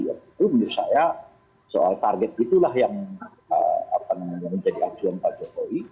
itu menurut saya soal target itulah yang menjadi acuan pak jokowi